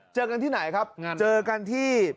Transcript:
เจอกันที่ไหนครับเจอกันที่